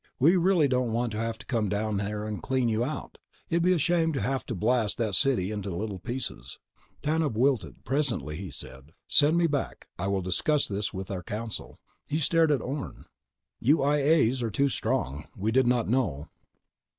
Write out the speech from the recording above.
We really don't want to have to come down there and clean you out. It'd be a shame to have to blast that city into little pieces." Tanub wilted. Presently, he said: "Send me back. I will discuss this with ... our council." He stared at Orne. "You I A's are too strong. We did not know."